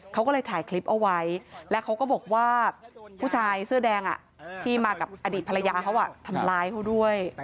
เขาก็เลยถ่ายคลิปเอาไว้แล้วเขาก็บอกว่าผู้ชายเสื้อแดงที่มากับอดีตภรรยาเขาทำร้ายเขาด้วย